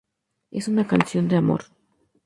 Es una canción de amor.